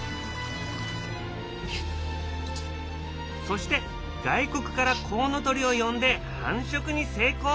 そして外国からコウノトリを呼んで繁殖に成功。